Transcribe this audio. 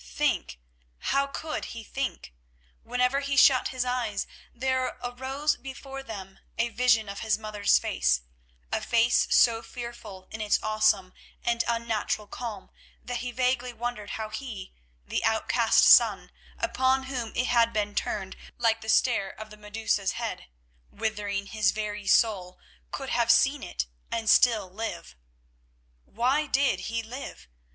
Think! How could he think? Whenever he shut his eyes there arose before them a vision of his mother's face, a face so fearful in its awesome and unnatural calm that vaguely he wondered how he, the outcast son, upon whom it had been turned like the stare of the Medusa's head, withering his very soul, could have seen it and still live. Why did he live?